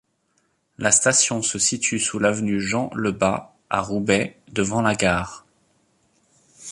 La station se situe sous l'avenue Jean-Lebas à Roubaix devant la gare.